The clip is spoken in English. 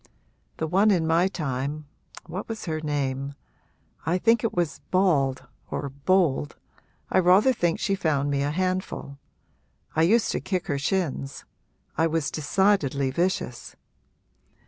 The one in my time what was her name? I think it was Bald or Bold I rather think she found me a handful. I used to kick her shins I was decidedly vicious.